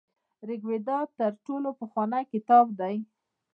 ریګویډا تر ټولو پخوانی کتاب دی.